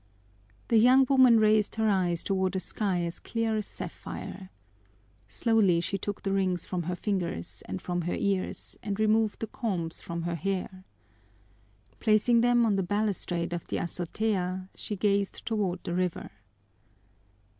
The young woman raised her eyes toward a sky as clear as sapphire. Slowly she took the rings from her fingers and from her ears and removed the combs from her hair. Placing them on the balustrade of the azotea, she gazed toward the river.